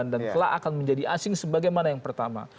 telah akan menjadi asing sebagaimana yang pertama